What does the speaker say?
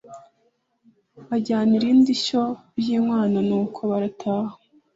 bajyana irindi shyo ry'inkwano nuko barataha